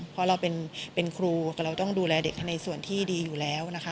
เพราะเราเป็นครูแต่เราต้องดูแลเด็กในส่วนที่ดีอยู่แล้วนะคะ